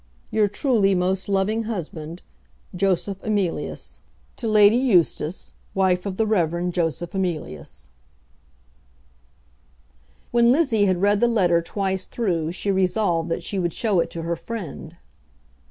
Your truly most loving husband, JOSEPH EMILIUS. To Lady Eustace, wife of the Rev. Joseph Emilius. When Lizzie had read the letter twice through she resolved that she would show it to her friend.